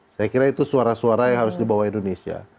saya kira itu suara suara yang harus dibawa indonesia